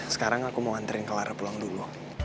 sekarang aku mau anterin clara pulang dulu